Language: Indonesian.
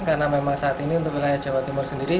karena memang saat ini untuk wilayah jawa timur sendiri